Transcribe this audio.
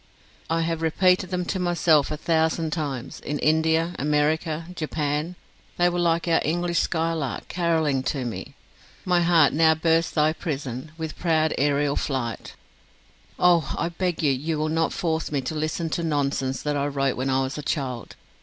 "I have repeated them to myself a thousand times: in India, America, Japan: they were like our English skylark, carolling to me. 'My heart, now burst thy prison With proud aerial flight!'" "Oh, I beg you will not force me to listen to nonsense that I wrote when I was a child.